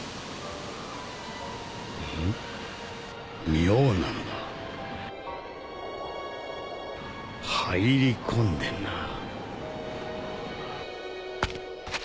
妙なのが入り込んでんなぁ。